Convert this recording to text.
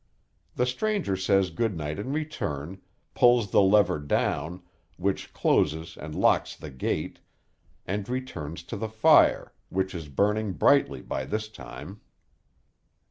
The stranger says good night in return, pulls the lever down, which closes and locks the gate, and returns to the fire, which is burning brightly by this time.